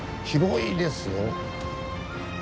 広いですよ。